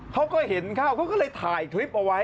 เขาก็เห็นเข้าเขาก็เลยถ่ายคลิปเอาไว้